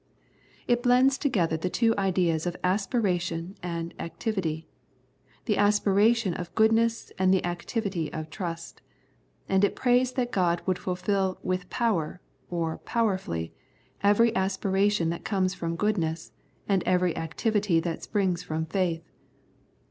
It blends together the two ideas of aspiration and activity — the aspiration of goodness and the activity of trust — and it prays that God would fulfil loith power ^ or powerfully, every aspiration that comes from goodness, and every activity that springs from faith.